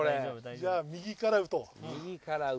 じゃあ右から打とう。